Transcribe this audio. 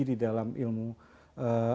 di dalam ilmu epidemiologi